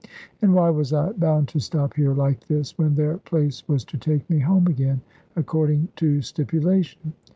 And why was I bound to stop here like this, when their place was to take me home again, according to stipulation?